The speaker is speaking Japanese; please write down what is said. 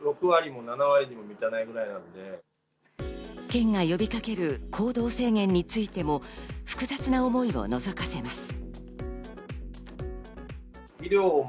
県が呼びかける行動制限についても複雑な思いをのぞかせます。